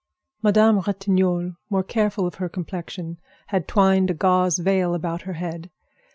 Madame Ratignolle, more careful of her complexion, had twined a gauze veil about her head.